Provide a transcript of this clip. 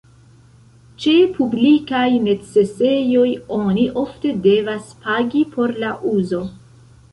Ĉe publikaj necesejoj oni ofte devas pagi por la uzo.